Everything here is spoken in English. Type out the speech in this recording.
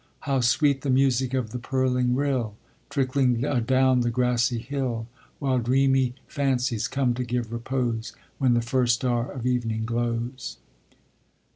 How sweet the music of the purling rill, Trickling adown the grassy hill! While dreamy fancies come to give repose When the first star of evening glows.